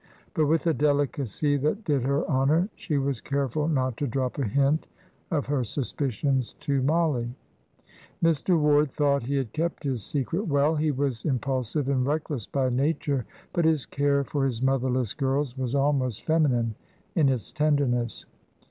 But with a delicacy that did her honour she was careful not to drop a hint of her suspicions to Mollie. Mr. Ward thought he had kept his secret well. He was impulsive and reckless by nature, but his care for his motherless girls was almost feminine in its tenderness.